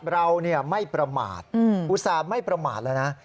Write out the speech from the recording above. เราไม่ประมาทอุตส่าห์ไม่ประมาทแล้วนะ